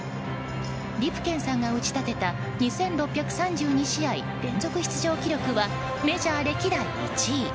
リプケンさんが打ち立てた２６３２試合連続出場記録はメジャー歴代１位。